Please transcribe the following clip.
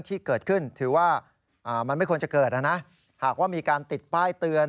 ถือว่ามันไม่ควรจะเกิดนะหากว่ามีการติดป้ายเตือน